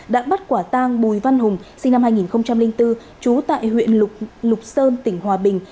đã bắt quả tang bùi văn hùng sinh năm hai nghìn bốn trú tại huyện lục sơn tỉnh hòa bình